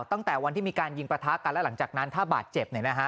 ตั้งแต่วันที่มีการยิงประทะกันแล้วหลังจากนั้นถ้าบาดเจ็บ